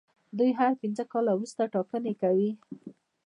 دوی هر پنځه کاله وروسته ټاکنې کوي.